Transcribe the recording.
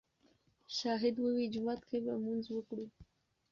شاهد ووې جومات کښې به مونځ وکړو